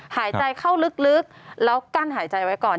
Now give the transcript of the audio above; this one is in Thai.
หายใจเข้าลึกแล้วกั้นหายใจไว้ก่อน